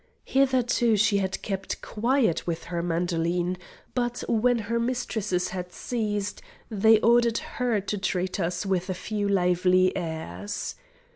Hitherto she had kept quiet with her mandoline; but when her mistresses had ceased, they ordered her to treat us with a few lively airs.